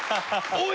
おい！